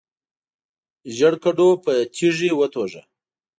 ژیړ کډو په تیږي وتوږه.